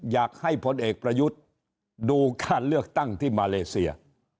อยากให้พลเอกประยุทธ์ดูการเลือกตั้งที่มาเลเซีย